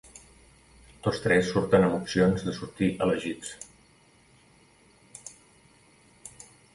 Tots tres surten amb opcions de sortir elegits.